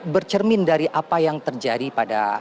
bercermin dari apa yang terjadi pada